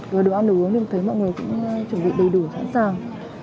rồi đồ ăn đồ uống nhưng thấy mọi người cũng chuẩn bị đầy đủ sẵn sàng